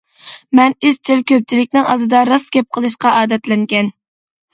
مەن ئىزچىل كۆپچىلىكنىڭ ئالدىدا راست گەپ قىلىشقا ئادەتلەنگەن.